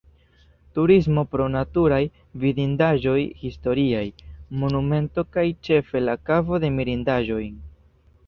Turismo pro naturaj vidindaĵoj, historiaj, monumentoj kaj ĉefe la Kavo de Mirindaĵoj.